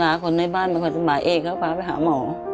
ศาลาคนในบ้านมันก็ค่อยสบายเอกเขาก็ไปหาหมอ